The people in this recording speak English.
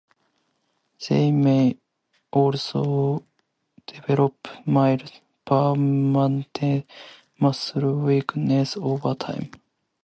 They may also develop mild, permanent muscle weakness over time.